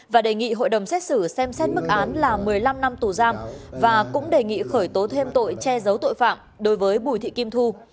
và đề nghị hội đồng xét xử xem xét mức án là một mươi năm năm tù giam và cũng đề nghị khởi tố thêm tội che giấu tội phạm đối với bùi thị kim thu